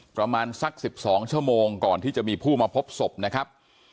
ประมาณสัก๑๒ชั่วโมงก่อนที่จะมีผู้มาพบศพนะครับ